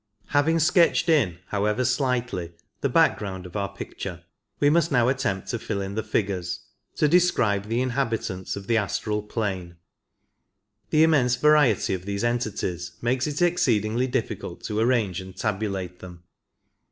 Having sketched in, however slightly, the background ot our picture, we must now attempt to fill in the figures — to describe the inhabitants of the astral plane. The immense variety of these entities makes it exceedingly difficult to arrange and tabulate them.